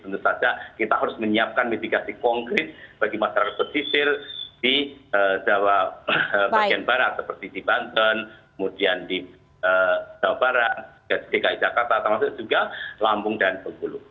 jadi kita harus menyiapkan mitigasi konkret bagi masyarakat pesisir di jawa barat seperti di banten kemudian di jawa barat jgki jakarta termasuk juga lampung dan bengkulu